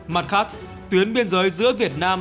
mặt khác tuyến biên giới giữa việt nam